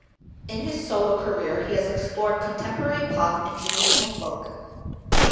In his solo career he has explored contemporary pop and traditional folk.